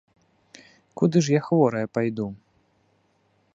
Куды ж я хворая пайду?